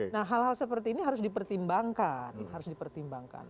nah hal hal seperti ini harus dipertimbangkan